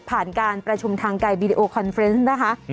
การประชุมทางไกลวีดีโอคอนเฟรนซ์นะคะ